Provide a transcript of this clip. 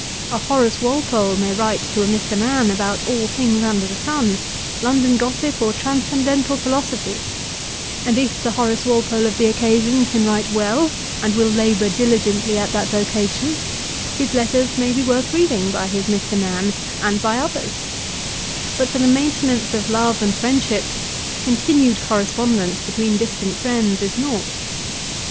A Horace Walpole may write to a Mr. Mann about all things under the sun, London gossip or transcendental philosophy, and if the Horace Walpole of the occasion can write well and will labour diligently at that vocation, his letters may be worth reading by his Mr. Mann, and by others; but, for the maintenance of love and friendship, continued correspondence between distant friends is naught.